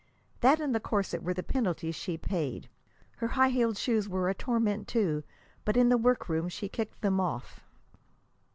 That and the corset were the penalties she paid. Her high heeled shoes were a torment, too; but in the work room she kicked them off.